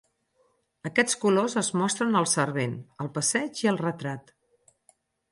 Aquests colors es mostren al servent, el passeig i el retrat.